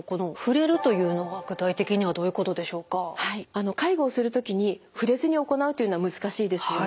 あの介護をするときに触れずに行うというのは難しいですよね。